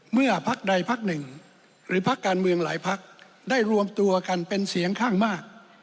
พักใดพักหนึ่งหรือพักการเมืองหลายพักได้รวมตัวกันเป็นเสียงข้างมาก